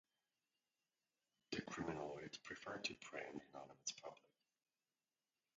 The criminaloid prefers to prey on the anonymous public.